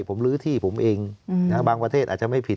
ผมลื้อที่ผมเองบางประเทศอาจจะไม่ผิด